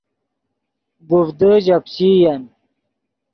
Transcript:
گوڤدے ژے پیچئین